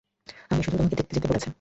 আমায় শুধু তোমাকে দেখে যেতে বলেছে।